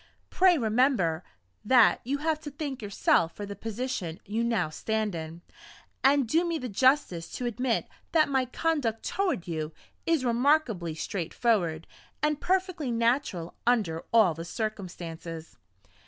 Pray remember that you have to thank yourself for the position you now stand in; and do me the justice to admit that my conduct toward you is remarkably straightforward, and perfectly natural under all the circumstances."